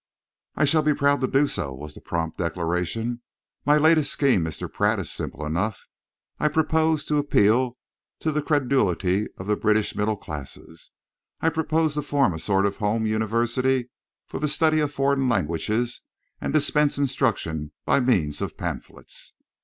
"I shall be proud to do so," was the prompt declaration. "My latest scheme, Mr. Pratt, is simple enough. I propose to appeal to the credulity of the British middle classes. I propose to form a sort of home university for the study of foreign languages and dispense instruction by means of pamphlets."